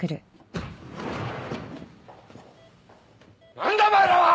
何だお前らは！